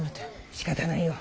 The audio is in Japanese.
しかたないよ。